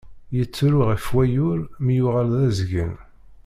Yettru ɣef wayyur mi yuɣal d azgen.